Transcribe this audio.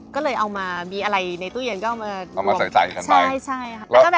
ก็เลยเอามามีอะไรในตู้เย็นก็เอามา